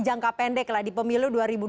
jangka pendek lah di pemilu dua ribu dua puluh